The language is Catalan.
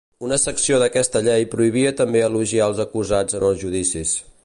Una secció d'aquesta llei prohibia també elogiar els acusats en els judicis.